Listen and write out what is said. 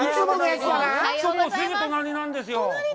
すぐ隣なんですよ。